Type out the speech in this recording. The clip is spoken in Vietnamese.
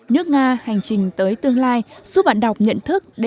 nước nga hành trình tới tương lai giúp bạn đọc nhận thức